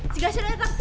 si glesio udah datang